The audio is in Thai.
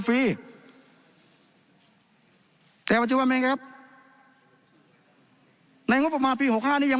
ฟรีแต่ปัจจุบันไหมครับในงบประมาณปีหกห้านี้ยัง